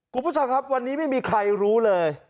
คุณผู้ชมครับวันนี้ไม่มีใครรู้เลย